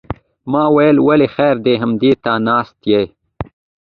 ما ویل ولې خیر دی همدې ته ناست یې.